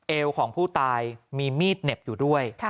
เอวของผู้ตายมีมีดเหน็บอยู่ด้วย